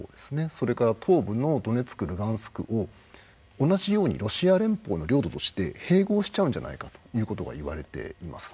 それから東部のドネツク、ルガンスクを同じようにロシア連邦の領土として併合しちゃうんじゃないかということがいわれています。